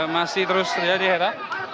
masih terus terjadi hera